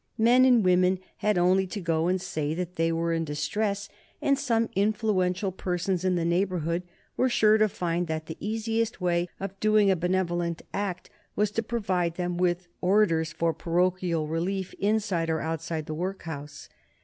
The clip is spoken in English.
Men and women had only to go and say that they were in distress, and some influential persons in the neighborhood were sure to find that the easiest way of doing a benevolent act was to provide them with orders for parochial relief inside or outside the workhouse.